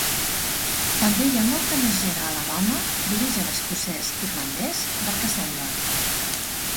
També hi ha molta més gent a Alabama d'origen escocès-irlandès del que sembla.